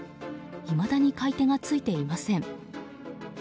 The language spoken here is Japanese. いまだに買い手がついていません。